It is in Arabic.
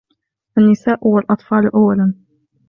النساء و الأطفال أولا!